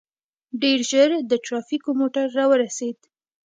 ډېر ژر د ټرافيکو موټر راورسېد.